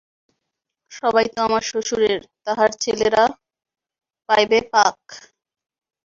সবই তো আমার শ্বশুরের, তাঁহার ছেলেরা পাইবে, পাক।